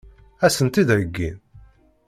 Ad sen-tt-id-heggin?